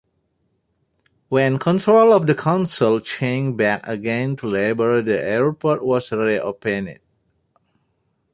When control of the Council changed back again to Labour the airport was reopened.